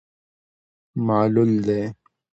معلول دی.